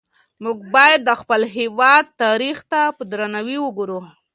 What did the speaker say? موږ باید د خپل هېواد تاریخ ته په درناوي وګورو.